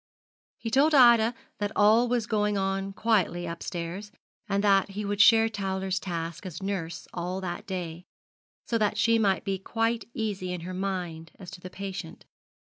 He told Ida that all was going on quietly upstairs, and that he would share Towler's task as nurse all that day, so that she might be quite easy in her mind as to the patient.